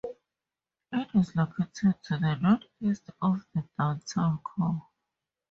It is located to the northeast of the downtown core.